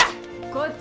こっち